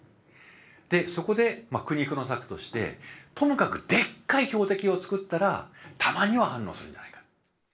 でそこで苦肉の策としてともかくでっかい標的を作ったらたまには反応するんじゃないか。